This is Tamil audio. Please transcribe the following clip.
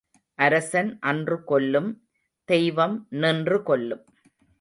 அரசன் அன்று கொல்லும் தெய்வம் நின்று கொல்லும்.